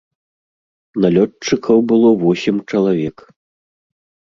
Налётчыкаў было восем чалавек.